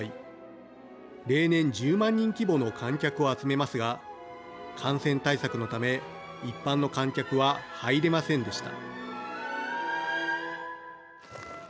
例年１０万人規模の観客を集めますが感染対策のため一般の観客は入れませんでした。